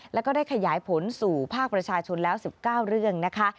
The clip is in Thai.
แล้วก็ได้ขยายผลสู่ภาคประชาชนแล้ว๑๙เรื่องนะคะ